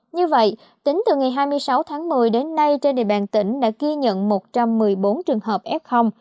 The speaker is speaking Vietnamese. như vậy tính từ ngày hai mươi sáu tháng một mươi đến nay trên địa bàn tỉnh đã ghi nhận một trăm một mươi bốn trường hợp f